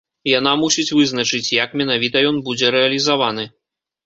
Яна мусіць вызначыць, як менавіта ён будзе рэалізаваны.